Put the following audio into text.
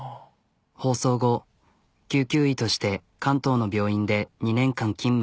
放送後救急医として関東の病院で２年間勤務。